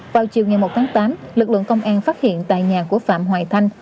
vào chiều ngày một tháng tám lực lượng công an phát hiện tại nhà của phạm hoài thanh